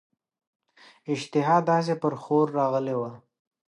اشتها داسي پر ښور راغلې وه.